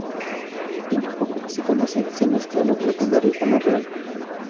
En lo poco que se conoce, se mezcla lo legendario con lo real.